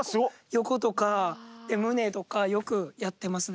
横とか胸とかよくやってますね。